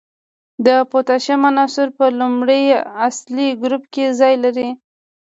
د پوتاشیم عنصر په لومړي اصلي ګروپ کې ځای لري.